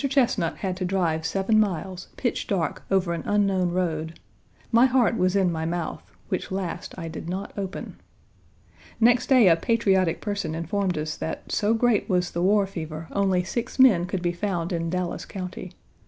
Chesnut had to drive seven miles, pitch dark, over an unknown road. My heart was in my mouth, which last I did not open. Next day a patriotic person informed us that, so great was the war fever only six men could be found in Dallas County.